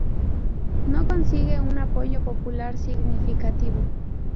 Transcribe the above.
No consigue un apoyo popular significativo.